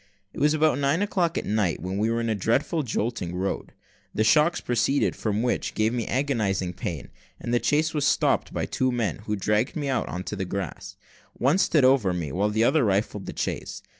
It was about nine o'clock at night, when we were in a dreadful jolting road, the shocks proceeding from which gave me agonising pain, that the chaise was stopped by two men, who dragged me out on the grass. One stood over me, while the other rifled the chaise.